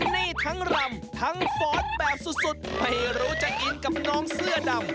นี่ทั้งรำทั้งฟอสแบบสุดไม่รู้จะอินกับน้องเสื้อดำ